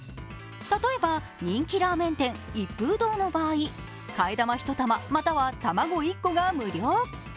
例えば、人気ラーメン店一風堂の場合替え玉一玉または玉子１個が無料。